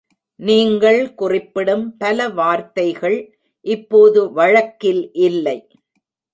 நீங்கள் குறிப்பிடும் பல வார்த்தைகள் இப்போது வழக்கில் இல்லை